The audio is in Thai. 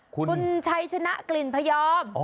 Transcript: คุณชัยชนะกลิ่นพยอม